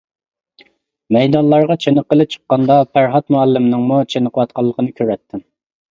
مەيدانلارغا چېنىققىلى چىققاندا پەرھات مۇئەللىمنىڭمۇ چېنىقىۋاتقانلىقىنى كۆرەتتىم.